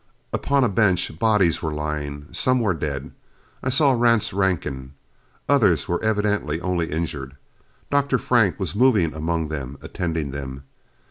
Upon a bench, bodies were lying. Some were dead. I saw Rance Rankin. Others were evidently only injured. Dr. Frank was moving among them, attending them.